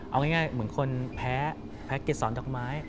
เอาง่ายเหมือนคนแพ้เกษฐรรย์ดอกไม้